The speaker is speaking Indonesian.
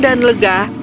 dan setelah wangnya seles